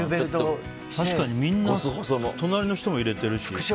確かにみんな隣の人も入れてるし。